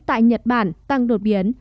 tại nhật bản tăng đột biến